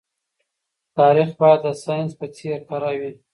تاريخ بايد د ساينس په څېر کره وي.